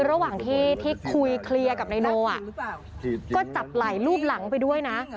ระหว่างที่คุยเคลียร์กับนายโนก็จับไหล่รูปหลังไปด้วยนะ